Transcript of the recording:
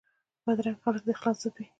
بدرنګه خلک د اخلاص ضد وي